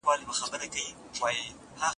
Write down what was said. که والدین همکاري وکړي نتیجه ښه وي.